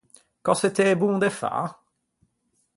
Cöse t’ê bon de fâ?